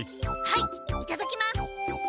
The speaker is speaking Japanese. はいいただきます！